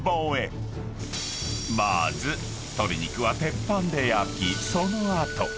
［まず鶏肉は鉄板で焼きその後］